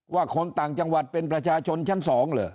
คนต่างจังหวัดเป็นประชาชนชั้น๒เหรอ